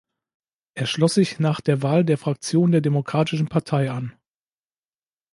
Er schloss sich nach der Wahl der Fraktion der Demokratischen Partei an.